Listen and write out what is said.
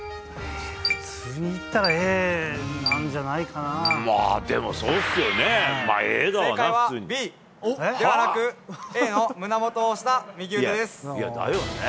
普通にいったらＡなんじゃなまあ、でもそうっすよね。